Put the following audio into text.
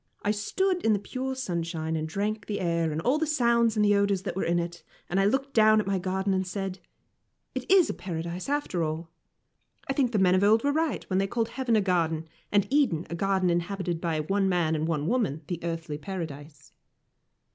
I stood in the pure sunshine and drank the air and all the sounds and the odours that were in it; and I looked down at my garden and said, "It is Paradise, after all. I think the men of old were right when they called heaven a garden, and Eden a garden inhabited by one man and one woman, the Earthly Paradise."